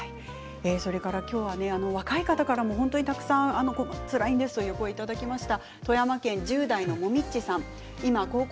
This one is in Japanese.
今日は若い方からも本当にたくさんつらいんですという声をいただきました。